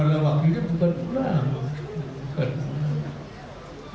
malah wakilnya bukan ulama